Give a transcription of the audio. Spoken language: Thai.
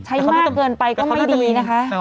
มากเกินไปก็ไม่ดีนะคะ